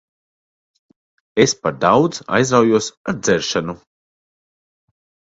Es par daudz aizraujos ar dzeršanu.